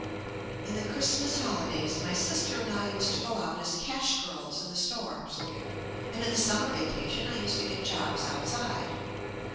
In the Christmas holidays, my sister and I used to go out as cash girls in the stores, and in the summer vacation I used to get jobs out side.